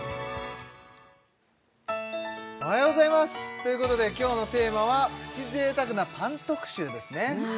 おはようございますということで今日のテーマはプチ贅沢なパン特集ですね